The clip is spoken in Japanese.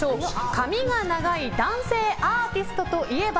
髪が長い男性アーティストといえば？